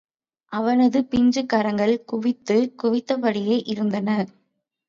அவனது பிஞ்சுக் கரங்கள் குவித்தது குவித்தபடியே இருந்தன.